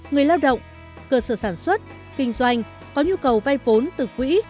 người lao động cơ sở sản xuất kinh doanh có nhu cầu vay vốn từ quỹ